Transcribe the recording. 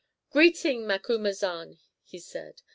"Greeting, Macumazahn," he said.